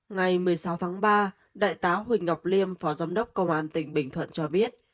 ngày một mươi sáu tháng ba đại tá huỳnh ngọc liêm phó giám đốc công an tỉnh bình thuận cho biết